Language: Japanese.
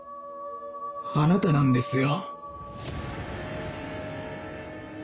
あなたなんですよ。